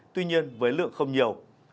tuy nhiên với lượng không nhiều